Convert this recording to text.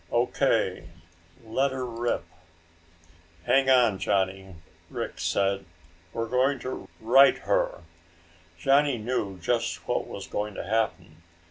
"O.K." "Let her rip!" "Hang on, Johnny," Rick said. "We're going to right her." Johnny knew just what was going to happen.